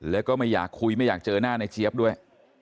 แล้วก็ไม่อยากคุยไม่อยากเจอหน้าในเจี๊ยบด้วย